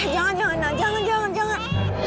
jangan jangan nah jangan jangan jangan